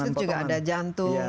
karena di situ juga ada jantung